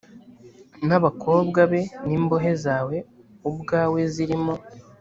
n’abakobwa be n’imbohe zawe ubwawe zirimo